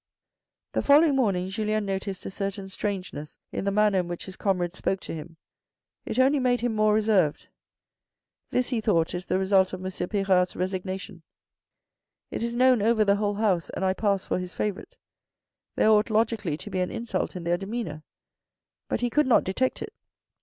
The following morning Julien noticed a certain strangeness in the manner in which his comrades spoke to him. It only made him more reserved. " This," he thought, " is the result of M. Pirard's resignation. It is known over the whole house, and I pass for his favourite. There ought logically to be an insult in their demeanour." But he could not detect it.